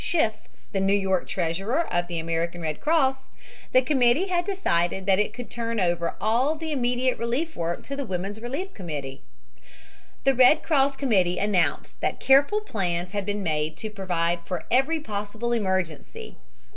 Schiff, the New York treasurer of the American Red Cross, the committee had decided that it could turn over all the immediate relief work to the Women's Relief Committee. The Red Cross Committee announced that careful plans had been made to provide for every possible emergency.